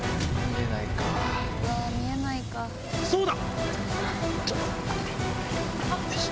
そうだ！